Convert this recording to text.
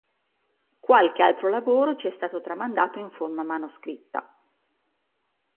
Qualche altro lavoro ci è stato tramandato in forma manoscritta.